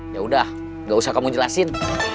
yaudah gak usah kamu jelasin